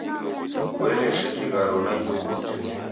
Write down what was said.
Kuelesha kigharo ni ijukumu jedu.